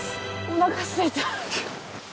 おなかすいた。